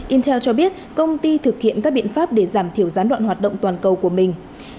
intel cho biết công ty thực hiện các biện pháp để giảm thiểu gián đoạn hoạt động toàn cầu của mình